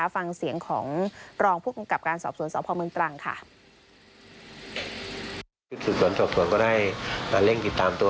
ฟังเสียงของรองผู้กำกับการสอบสวนสพเมืองตรังค่ะ